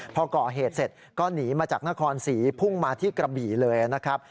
พอก่อเหตุเสร็จก็หนีมาจากนครศรีพุ่งมาที่กระบี่เลยนะครับ